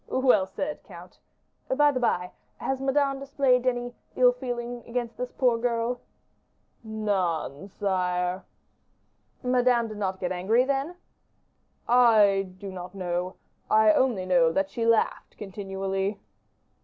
"Well said, count! By the by, has Madame displayed any ill feeling against this poor girl?" "None, sire." "Madame did not get angry, then?" "I do not know; I only know that she laughed continually."